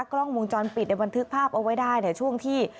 กล้องวงจรปิดในบันทึกภาพเอาไว้ได้ในช่วงที่